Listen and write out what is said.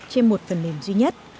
trên một phần mềm duy nhất